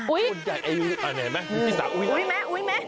อุ้ยโอ้ยอุ้ย